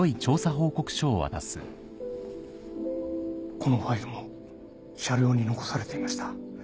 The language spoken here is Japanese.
このファイルも車両に残されていました。